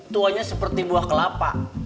tuanya seperti buah kelapa